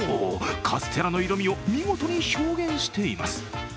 カステラの色味を見事に表現しています。